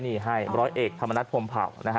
หนีให้บร้อยเอกธรรมนัฐพลมเผ่า